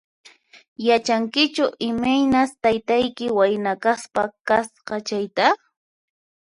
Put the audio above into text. Yachankichu imaynas taytayki wayna kaspa kasqa chayta?